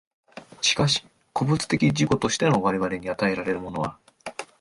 しかし個物的自己としての我々に与えられるものは、